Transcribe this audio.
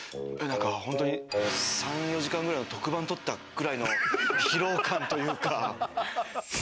本当に３４時間くらいの特番撮ったくらいの疲労感というか。